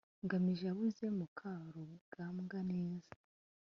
ngamije yabuze mukarugambwa neza